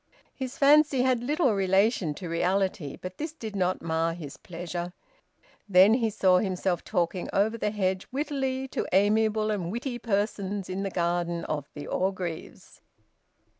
His fancy had little relation to reality. But this did not mar his pleasure... Then he saw himself talking over the hedge, wittily, to amiable and witty persons in the garden of the Orgreaves.